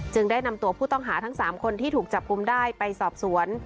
ได้นำตัวผู้ต้องหาทั้ง๓คนที่ถูกจับกลุ่มได้ไปสอบสวน